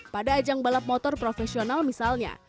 pada ajang balap motor profesional misalnya